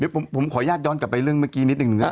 ผมขออนุญาตย้อนกลับไปเรื่องเมื่อกี้นิดหนึ่งนะครับ